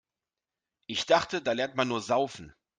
Ich dachte, da lernt man nur Saufen.